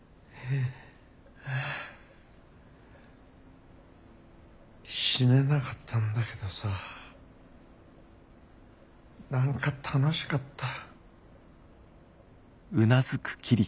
はぁ死ねなかったんだけどさ何か楽しかった。